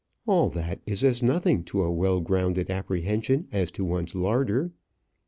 All that is as nothing to a well grounded apprehension as to one's larder!